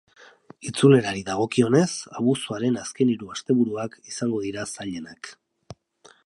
Itzulerari dagokionez, abuztuaren azkenhiru asteburuak izango dira zailenak.